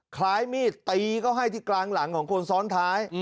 คล้ายมีดตีเขาให้ที่กลางหลังของคนซ้อนท้าย